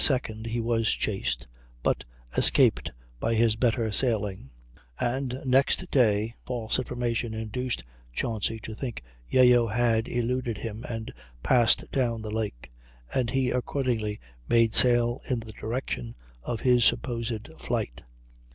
2d he was chased, but escaped by his better sailing; and next day false information induced Chauncy to think Yeo had eluded him and passed down the lake, and he accordingly made sail in the direction of his supposed flight.